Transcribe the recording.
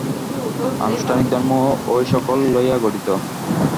আনুষ্ঠানিক ধর্ম এই-সকল লইয়া গঠিত।